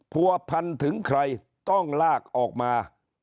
ผัวพันถึงใครต้องลากออกมา